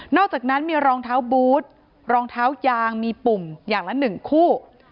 อกจากนั้นมีรองเท้าบูธรองเท้ายางมีปุ่มอย่างละ๑คู่